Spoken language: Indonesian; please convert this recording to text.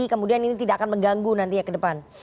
kemudian ini tidak akan mengganggu nanti ya ke depan